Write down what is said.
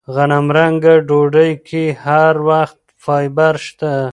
غنمرنګه ډوډۍ کې هر وخت فایبر شته.